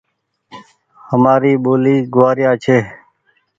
همآري ٻولي گوآريا ڇي۔